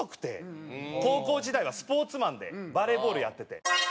高校時代はスポーツマンでバレーボールやってて。